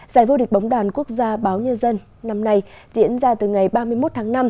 giải vô địch bóng đàn quốc gia báo nhân dân năm nay diễn ra từ ngày ba mươi một tháng năm